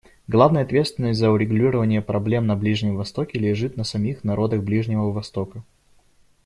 Главная ответственность за урегулирование проблем на Ближнем Востоке лежит на самих народах Ближнего Востока.